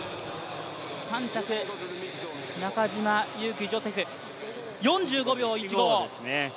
３着、中島佑気ジョセフ、４５秒１５。